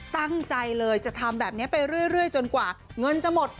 ตั้งใจเลยจะทำแบบนี้ไปเรื่อยจนกว่าเงินจะหมด